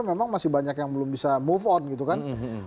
memang masih banyak yang belum bisa move on gitu kan